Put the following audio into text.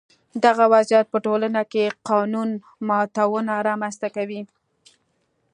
دغه وضعیت په ټولنه کې قانون ماتونه رامنځته کوي.